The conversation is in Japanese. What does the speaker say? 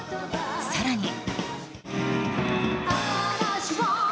更に。